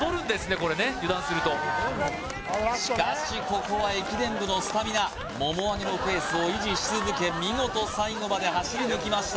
これね油断するとしかしここは駅伝部のスタミナもも上げのペースを維持し続け見事最後まで走り抜きました